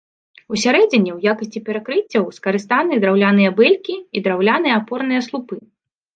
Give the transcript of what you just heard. Усярэдзіне ў якасці перакрыццяў скарыстаны драўляныя бэлькі і драўляныя апорныя слупы.